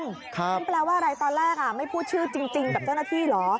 นั่นแปลว่าอะไรตอนแรกไม่พูดชื่อจริงกับเจ้าหน้าที่เหรอ